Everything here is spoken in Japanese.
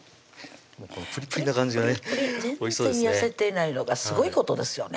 もうこのプリプリな感じがねおいしそうですね全然痩せてないのがすごいことですよね